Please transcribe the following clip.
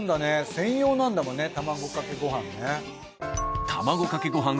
専用なんだもんね卵かけごはんね。